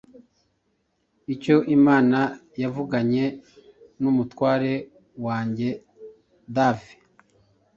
icyo Imana yavuganye n’umutware wanjye Dave